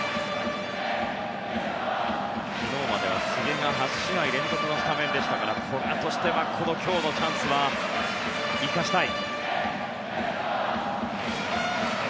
昨日までは柘植が８試合連続のスタメンでしたが古賀としては今日のこのチャンスは生かしたい。